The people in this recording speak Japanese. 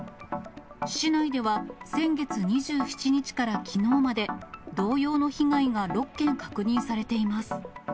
市内では、先月２７日からきのうまで、同様の被害が６件確認されています。